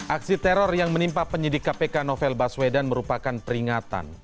aksi teror yang menimpa penyidik kpk novel baswedan merupakan peringatan